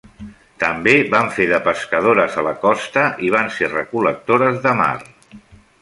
També van fer de pescadores a la costa i van ser recol·lectores de mar.